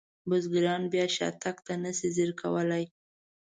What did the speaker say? بزګران بیا شاتګ ته نشي ځیر کولی.